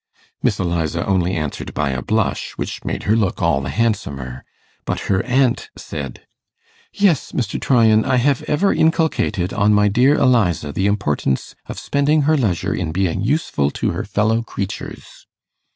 Miss Eliza only answered by a blush, which made her look all the handsomer, but her aunt said, 'Yes, Mr. Tryan, I have ever inculcated on my dear Eliza the importance of spending her leisure in being useful to her fellow creatures.